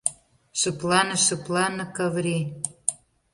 Шыплане, шыплане, Каври!